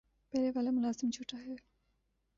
پہلے والا ملازم جھوٹا ہے